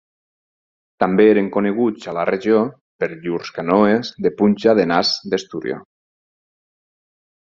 També eren coneguts a la regió per llurs canoes de punxa de nas d'esturió.